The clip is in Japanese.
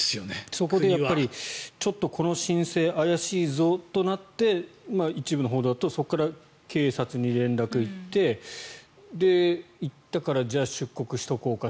そこでやっぱり、ちょっとこの申請怪しいぞとなって一部の報道だとそこから警察に連絡が行って行ったからじゃあ出国しとこうか。